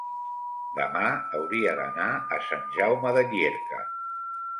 demà hauria d'anar a Sant Jaume de Llierca.